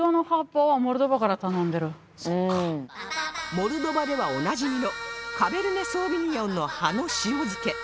モルドバではおなじみのカベルネ・ソーヴィニヨンの葉の塩漬け